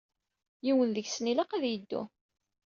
Yiwen deg-sen ilaq ad yeddu.